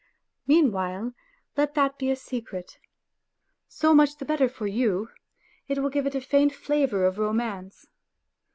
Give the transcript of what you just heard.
Meanwhile, let that be a secret. So much the better for you ; it will give it a faint flavour of romance.